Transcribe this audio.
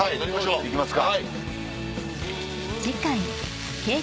行きますか。